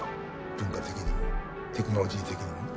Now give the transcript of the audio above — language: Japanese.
文化的にもテクノロジー的にもね。